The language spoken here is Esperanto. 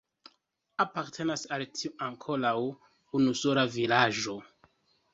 Apartenas al tio ankoraŭ unusola vilaĝo.